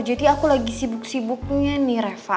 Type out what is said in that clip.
jadi aku lagi sibuk sibuk lo nya nih reva